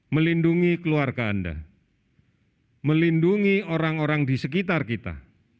melindungi keluarga anda melindungi orang orang di sekitar kita